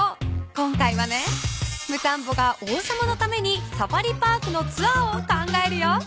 今回はねムタンボが王様のためにサファリ・パークのツアーを考えるよ。